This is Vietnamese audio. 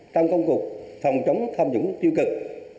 trong công cục phòng chống tham nhũng tiêu cực